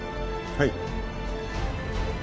はい。